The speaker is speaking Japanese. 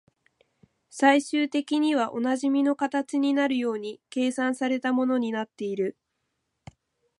最終的にはおなじみの形になるように計算された物になっている